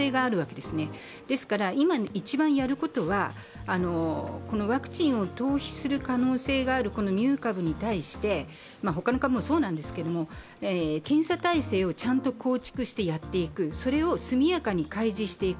ですから今一番やることは、このワクチンを逃避する可能性があるミュー株に対して、ほかの株もそうなんですけれども、検査体制をちゃんと構築してやっていく、それを速やかに開示していく。